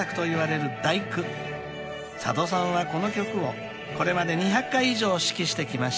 ［佐渡さんはこの曲をこれまで２００回以上指揮してきました］